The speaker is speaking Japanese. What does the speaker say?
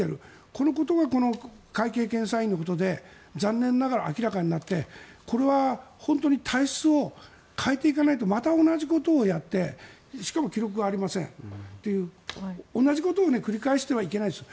このことが会計検査院のことで残念ながら明らかになってこれは本当に体質を変えていかないとまた同じことをやってしかも記録がありませんという同じことを繰り返してはいけないです。